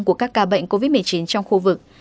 của các ca bệnh covid một mươi chín trong khu vực